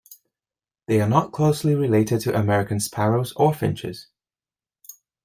They are not closely related to American sparrows or finches.